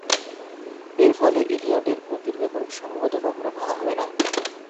এর ফলে, ইলিয়টের গতির রেকর্ড সম্ভবত কখনো ভাঙা হবে না।